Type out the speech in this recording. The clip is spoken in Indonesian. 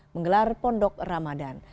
menggelar pondok ramadan